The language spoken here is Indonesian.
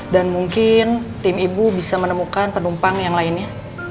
dan mungkin tim ibu bisa menemukan penumpang yang lainnya